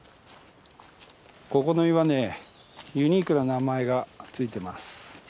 ここの岩ねユニークな名前が付いてます。